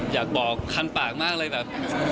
อยากบอกคันปากมากเลยแบบ